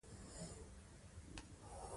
د بندونو جوړول د اوبو مهارول دي.